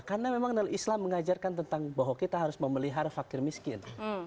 karena memang islam mengajarkan tentang bahwa kita harus memelihara fakir miskin